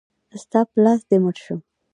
ستا په لاس دی مړ شم.